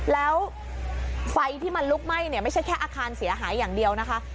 แล้วไฟที่มันลุกไหม้เนี่ยไม่ใช่แค่อาคารเสียหายอย่างเดียวนะคะ